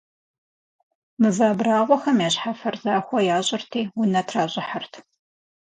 Мывэ абрагъуэхэм я щхьэфэр захуэ ящӏырти, унэ тращӏыхьырт.